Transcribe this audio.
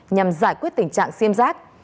nhằm giải quyết tình trạng siêm giác